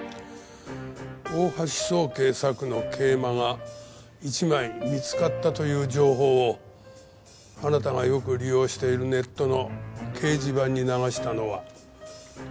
大橋宗桂作の桂馬が１枚見つかったという情報をあなたがよく利用しているネットの掲示板に流したのは私です。